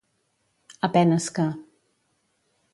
A penes que.